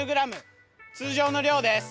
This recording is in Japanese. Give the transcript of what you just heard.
通常の量です。